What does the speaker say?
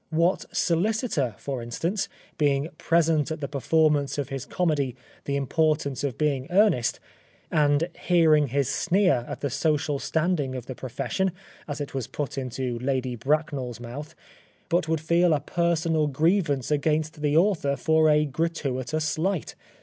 What solicitor, for instance, being present at the performance of his comedy, " The Importance of Being Earnest," and hearing his sneer at the social standing of the profession, as it was put into Lady Bracknell's mouth, but would feel a personal io6 The Life of Oscar Wilde grievance against the author for a gratuitous shght